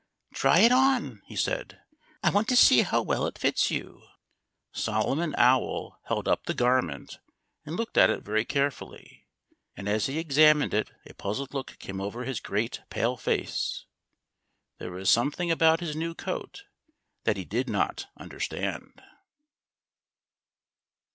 "Try it on!" he said. "I want to see how well it fits you." Solomon Owl held up the garment and looked at it very carefully. And as he examined it a puzzled look came over his great pale face. There was something about his new coat that he did not understand.